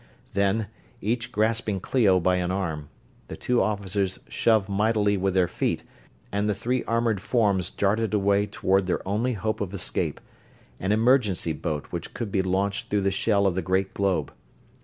Then, each grasping Clio by an arm, the two officers shoved mightily with their feet and the three armored forms darted away toward their only hope of escape an emergency boat which could be launched through the shell of the great globe.